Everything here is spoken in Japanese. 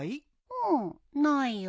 うんないよ。